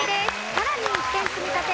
さらに１点積み立て。